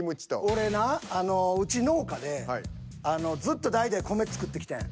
俺なうち農家でずっと代々米作ってきてん。